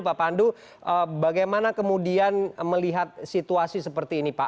pak pandu bagaimana kemudian melihat situasi seperti ini pak